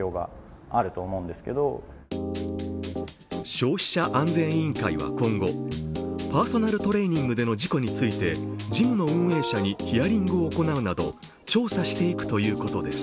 消費者安全委員会は今後、パーソナルトレーニングでの事故についてジムの運営者にヒアリングを行うなど調査していくということです。